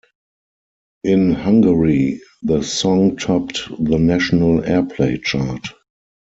In Hungary, the song topped the national airplay chart.